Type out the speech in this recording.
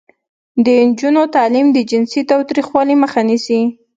د نجونو تعلیم د جنسي تاوتریخوالي مخه نیسي.